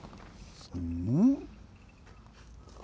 うん？